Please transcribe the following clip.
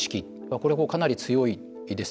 これ、かなり強いです。